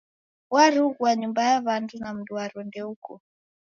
Warughua nyumba ya w'andu na mndwaro ndeuko.